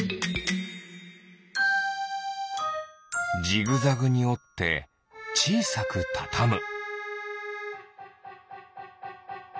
ジグザグにおってちいさくたたむ。